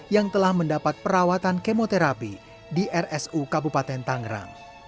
yang telah mendapat perawatan kemoterapi di rsu kabupaten tangerang